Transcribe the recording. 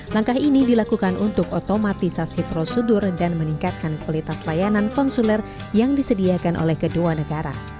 langkah ini dilakukan untuk otomatisasi prosedur dan meningkatkan kualitas layanan konsuler yang disediakan oleh kedua negara